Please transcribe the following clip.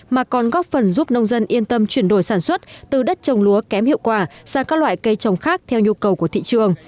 mà còn góp phần giúp nông dân yên tâm chuyển đổi sản xuất từ đất trồng lúa kém hiệu quả sang các loại cây trồng khác theo nhu cầu của thị trường